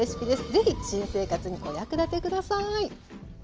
是非新生活にお役立て下さい！